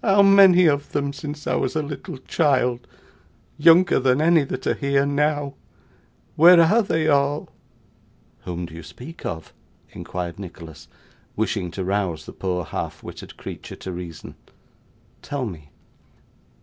How many of them since I was a little child, younger than any that are here now! Where are they all!' 'Whom do you speak of?' inquired Nicholas, wishing to rouse the poor half witted creature to reason. 'Tell me.